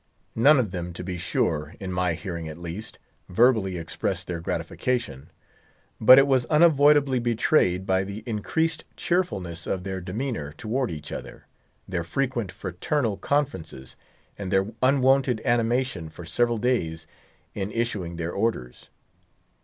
None of them, to be sure, in my hearing at least, verbally expressed their gratification; but it was unavoidably betrayed by the increased cheerfulness of their demeanour toward each other, their frequent fraternal conferences, and their unwonted animation for several clays in issuing their orders.